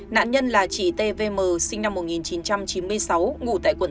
nạn nhân là chị tvm sinh năm một nghìn chín trăm chín mươi sáu ngủ tại quận tám